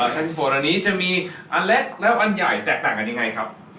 ซิโกอันนี้จะมีอันเล็กและอันใหญ่แตกต่างกันยังไงครับ